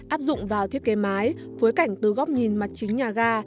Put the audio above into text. áp dụng vào thiết kế mái phối cảnh từ góc nhìn mặt chính nhà ga